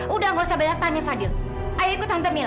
udah nggak usah banyak tanya fadil ayo ikut tante mila